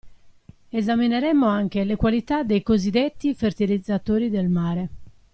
Esamineremo anche le qualità dei così detti fertilizzatori del mare.